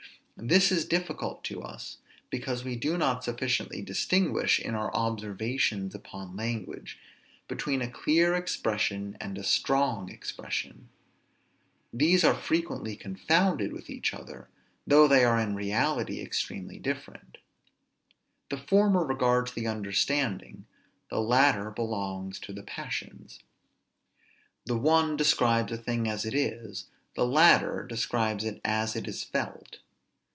This is difficult to us, because we do not sufficiently distinguish, in our observations upon language, between a clear expression and a strong expression. These are frequently confounded with each other, though they are in reality extremely different. The former regards the understanding, the latter belongs to the passions. The one describes a thing as it is, the latter describes it as it is felt.